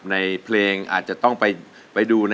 ในเพลงอาจจะต้องไปดู